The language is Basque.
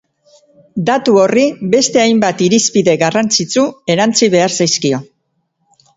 Datu horri, beste hainbat irizpide garrantzitsu erantsi behar zaizkio.